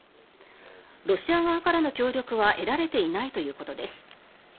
ロシア側からの協力は得られていないということです。